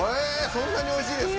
そんなにおいしいですか？